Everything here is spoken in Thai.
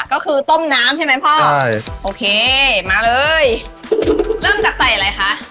ก็คือต้มน้ำใช่ไหมพ่อใช่โอเคมาเลยเริ่มจากใส่อะไรคะ